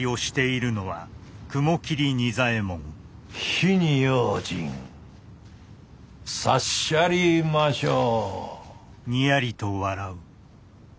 「火に用心」さっしゃりましょう。